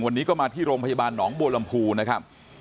วันนี้ก็มาที่โรงพยาบาลหนองบัวลำพูนะครับ